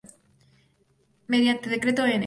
Mediante Decreto N°.